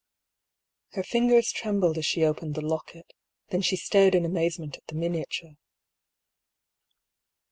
Her fingers trembled as she opened the locket, then she stared in amazement at the miniature.